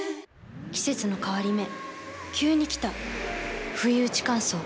季節の変わり目急に来たふいうち乾燥。